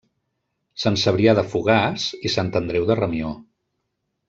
Sant Cebrià de Fogars i Sant Andreu de Ramió.